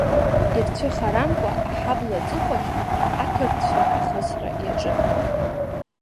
Ирцәыхарамкәа аҳабла аҵыхәахь ақырҭцәа ахысра иаҿын.